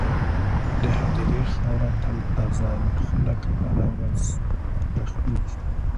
د هدیرې خاوره تل تازه وي، خلک هره ورځ ښخېږي.